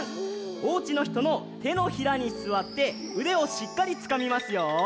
おうちのひとのてのひらにすわってうでをしっかりつかみますよ。